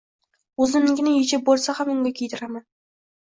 Oʻzimnikini yechib boʻlsa ham unga kiydiraman!